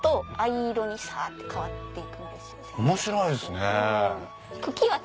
面白いですね。